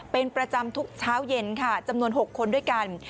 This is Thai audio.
เป็นประจำทุกเช้าเย็นค่ะจำนวน๖คนด้วยกัน